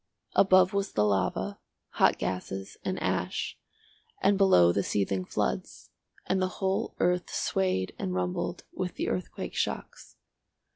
Above was the lava, hot gases and ash, and below the seething floods, and the whole earth swayed and rumbled with the earthquake shocks.